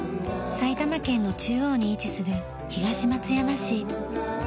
埼玉県の中央に位置する東松山市。